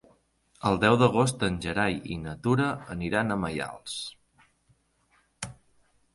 El deu d'agost en Gerai i na Tura aniran a Maials.